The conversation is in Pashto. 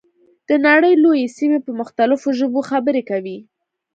د نړۍ لویې سیمې په مختلفو ژبو خبرې کوي.